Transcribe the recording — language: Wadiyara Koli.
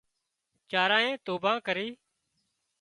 چارانئي توڀان ڪرِي